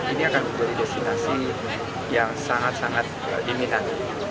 ini akan menjadi destinasi yang sangat sangat diminat